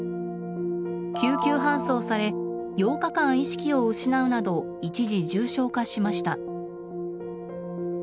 救急搬送され８日間意識を失うなど一時重症化しました。